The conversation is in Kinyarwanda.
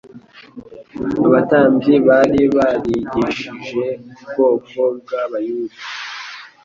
Abatambyi bari barigishije ubwoko bw'Abayuda